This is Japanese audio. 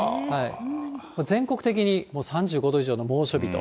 全国的にもう３５度以上の猛暑日と。